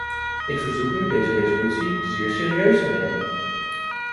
Ik verzoek u deze resolutie zeer serieus te nemen.